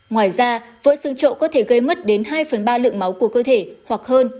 ngoài ra vỡ xương trậu có thể gây mất đến hai phần ba lượng máu của cơ thể hoặc hơn